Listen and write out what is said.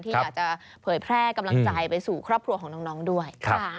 ที่อยากจะเผยแพร่กำลังใจไปสู่ครอบครัวของน้องด้วย